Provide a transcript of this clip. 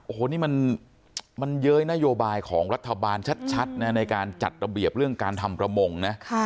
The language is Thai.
โอ้โหนี่มันเย้ยนโยบายของรัฐบาลชัดนะในการจัดระเบียบเรื่องการทำประมงนะ